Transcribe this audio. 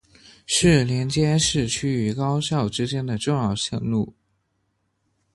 是连接市区与高校之间的重要线路。